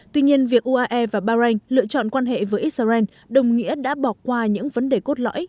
tuy nhiên việc uae và bahrain lựa chọn quan hệ với israel đồng nghĩa đã bỏ qua những vấn đề cốt lõi